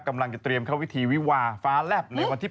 กำลังจะเตรียมเข้าวิธีวิวาฟ้าแลบในวันที่๘